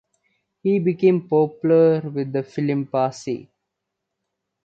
He became popular with the film Pasi.